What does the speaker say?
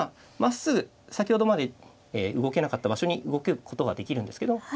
まっすぐ先ほどまで動けなかった場所に動くことができるんですけど。